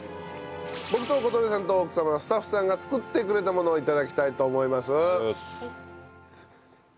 僕と小峠さんと奥様はスタッフさんが作ってくれたものを頂きたいと思います。